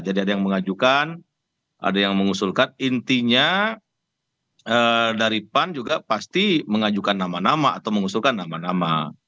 jadi ada yang mengajukan ada yang mengusulkan intinya daripan juga pasti mengajukan nama nama atau mengusulkan nama nama